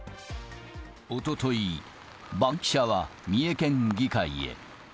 おととい、バンキシャは三重県議会へ。